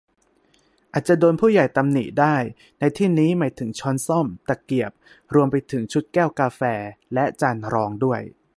อาจจะโดนผู้ใหญ่ตำหนิได้ ในที่นี้หมายถึงช้อนส้อม ตะเกียบ รวมไปถึงชุดแก้วกาแฟและจานรองด้วย